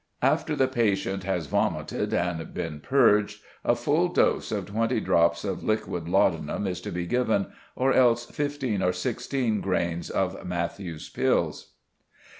After the patient has vomited and been purged, a full dose of twenty drops of liquid laudanum is to be given, or else fifteen or sixteen grains of Matthew's pills."